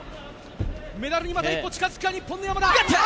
メダルにまた一歩近付くか日本の山田。